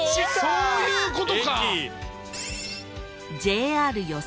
そういうことか。